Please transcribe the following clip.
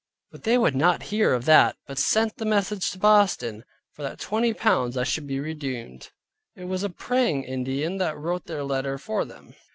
But they would not hear of that, but sent that message to Boston, that for twenty pounds I should be redeemed. It was a Praying Indian that wrote their letter for them.